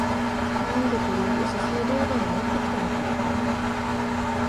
なんでこれをオススメ動画に持ってきたのかわからない